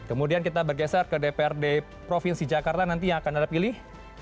kemudian kita bergeser ke dprd provinsi jakarta nanti yang akan anda pilih